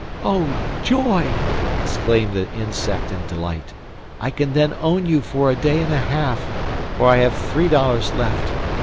"Oh, joy," exclaimed the insect in delight; "I can then own you for a day and a half for I have three dollars left.